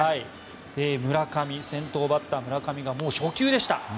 先頭バッターの村上がもう初球でした。